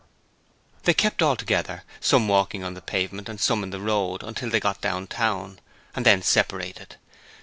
They kept all together some walking on the pavement and some in the road until they got down town, and then separated.